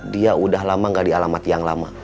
dia udah lama gak di alamat yang lama